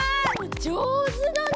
じょうずだね！